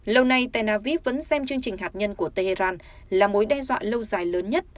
lâu nay tel aviv vẫn xem chương trình hạt nhân của tehran là mối đe dọa lâu dài lớn nhất